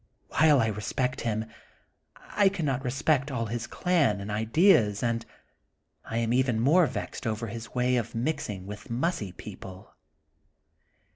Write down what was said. While I respect him, I cannot respect all his clan and ideas and I am even more vexed over his way of mixing with mussy people.